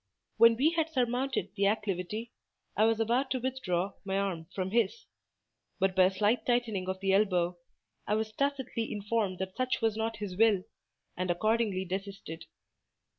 When we had surmounted the acclivity, I was about to withdraw my arm from his, but by a slight tightening of the elbow was tacitly informed that such was not his will, and accordingly desisted.